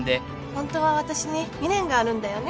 ホントは私に未練があるんだよね？